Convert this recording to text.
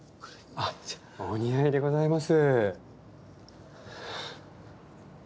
あっお似合いでございます。